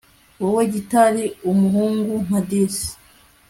wowe gitari-umuhungu nka dis ..